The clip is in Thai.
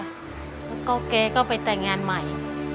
แล้วก็แกก็ไปแต่งงานใหม่